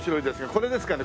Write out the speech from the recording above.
これですかね？